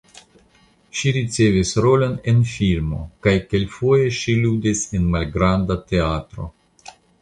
Ŝi ricevis rolon en filmo kaj kelkfoje ŝi ludis en malgranda teatro.